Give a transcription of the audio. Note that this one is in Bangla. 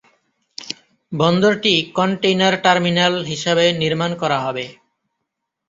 বন্দরটি কন্টেইনার টার্মিনাল হিসাবে নির্মান করা হবে।